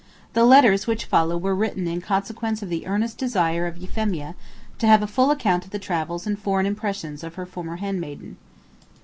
The letters which follow were written in consequence of the earnest desire of Euphemia to have a full account of the travels and foreign impressions of her former handmaiden.